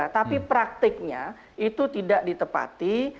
tapi praktiknya itu tidak ditepati